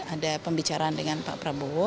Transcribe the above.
ada pembicaraan dengan pak prabowo